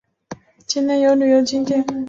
境内有旅游景点谷窝普熔洞。